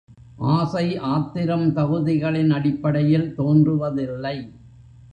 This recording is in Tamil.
ஆசை ஆத்திரம் தகுதிகளின் அடிப்படையில் தோன்றுவதில்லை.